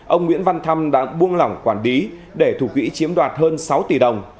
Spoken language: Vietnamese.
ông nguyễn văn thăm đã buông lỏng quản lý để thủ quỹ chiếm đoạt hơn sáu tỷ đồng